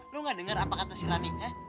lo gak denger apa kata si rani ha